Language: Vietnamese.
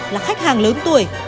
là khách hàng lớn tuổi